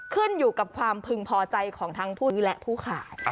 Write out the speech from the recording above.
ขึ้นอยู่กับความพึงพอใจของทั้งผู้นี้และผู้ขาย